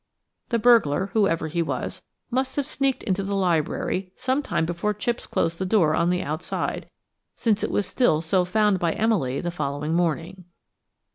The burglar, whoever he was, must have sneaked into the library some time before Chipps closed the door on the outside, since it was still so found by Emily the following morning.